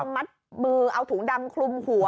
มัดมือเอาถุงดำคลุมหัว